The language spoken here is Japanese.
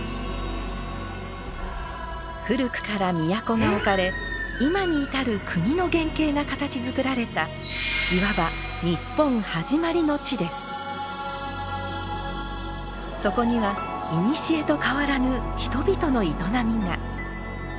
古くから都が置かれ今に至る国の原型が形づくられたいわばそこにはいにしえと変わらぬ人々の営みが。